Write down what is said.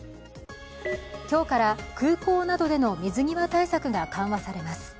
今日から空港などでの水際対策が緩和されます。